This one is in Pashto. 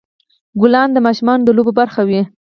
ګلان د ماشومانو د لوبو برخه وي.